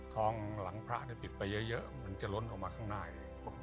ทองหลังพระเนี่ยปิดไปเยอะมันจะล้นออกมาข้างหน้าเอง